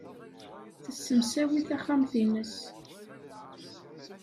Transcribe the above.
Tessemsawi taxxamt-nnes.